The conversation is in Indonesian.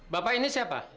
bapak ini siapa